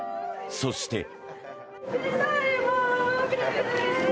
そして。